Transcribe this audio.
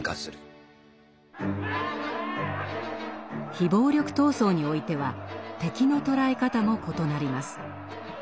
非暴力闘争においては「敵」の捉え方も異なります。